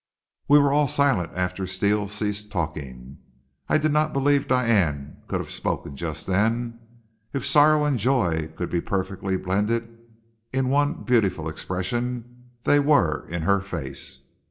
We were all silent after Steele ceased talking. I did not believe Diane could have spoken just then. If sorrow and joy could be perfectly blended in one beautiful expression, they were in her face.